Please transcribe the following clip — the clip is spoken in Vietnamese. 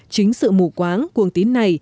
chính sự mù quáng cuồng tín này